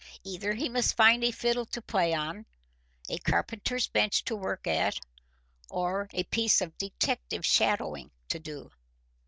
Either he must find a fiddle to play on, a carpenter's bench to work at, or a piece of detective shadowing to do.